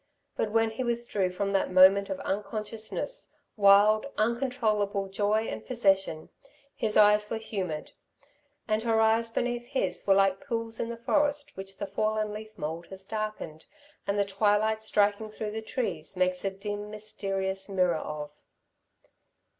But when he withdrew from that moment of unconsciousness, wild, uncontrollable joy and possession, his eyes were humid. And her eyes beneath his were like pools in the forest which the fallen leaf mould has darkened and the twilight striking through the trees makes a dim, mysterious mirror of.